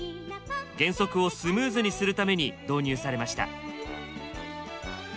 減速をスムーズにするために導入されました。